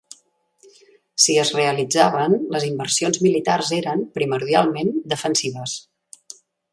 Si es realitzaven, les inversions militars eren primordialment defensives.